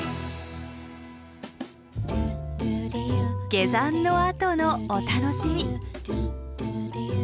下山のあとのお楽しみ。